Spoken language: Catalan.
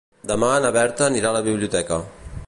Demà na Berta anirà a la biblioteca.